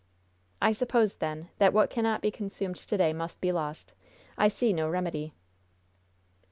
"I suppose, then, that what cannot be consumed to day must be lost. I see no remedy."